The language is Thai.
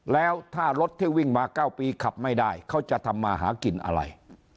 แล้วถ้ารถที่วิ่งมา๙ปีขับไม่ได้เขาจะทำมาหากินอะไร